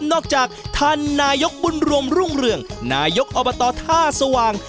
จากท่านนายกบุญรวมรุ่งเรืองนายกอบตท่าสว่าง